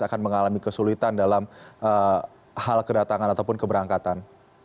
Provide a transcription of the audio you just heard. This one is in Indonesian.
akan mengalami kesulitan dalam hal kedatangan ataupun keberangkatan